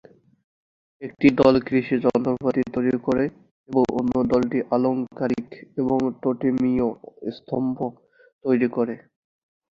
একটি দল কৃষি যন্ত্রপাতি তৈরি করে এবং অন্য দলটি আলংকারিক এবং টোটেমীয় স্তম্ভ তৈরি করে।